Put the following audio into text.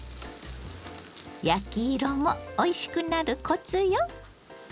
焼き色もおいしくなるコツよ。